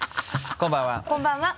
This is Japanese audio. こんばんは。